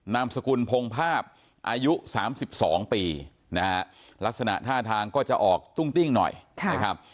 นามสกุลพงภาพอายุ๓๒ปีนะฮะลักษณะท่าทางก็จะออกตุ้งติ้งหน่อยนะครับ